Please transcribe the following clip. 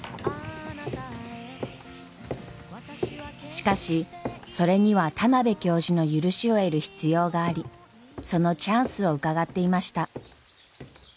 しかしそれには田邊教授の許しを得る必要がありそのチャンスをうかがっていました。